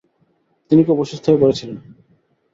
তিনি খুব অসুস্থ হয়ে পড়েছিলেন।